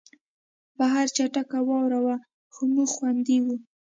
بهر چټکه واوره وه خو موږ خوندي وو